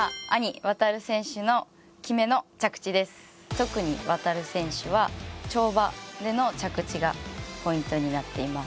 特に航選手は跳馬での着地がポイントになっています。